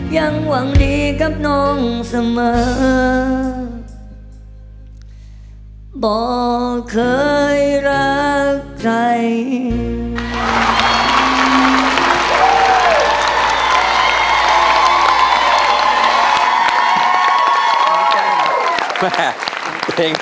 ยังหวังดีกับน้องเสมอบอกเคยรักใคร